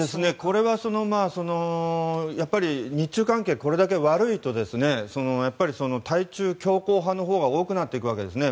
これはやっぱり日中関係がこれだけ悪いと対中強硬派のほうが多くなってくるわけですね。